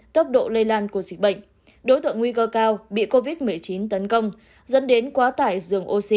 tốc độ lây lan của dịch bệnh đối tượng nguy cơ cao bị covid một mươi chín tấn công dẫn đến quá tải dường oxy